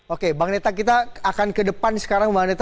oke bang neta kita akan ke depan sekarang